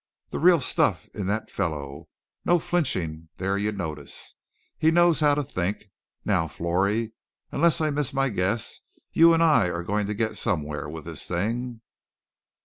"The real stuff in that fellow, no flinching there you notice. He knows how to think. Now, Florrie, unless I miss my guess you and I are going to get somewhere with this thing."